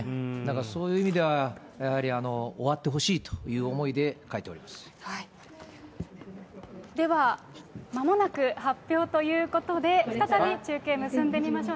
そういう意味では、やはり終わってほしいという思いで書ではまもなく、発表ということで、再び中継結んでみましょう。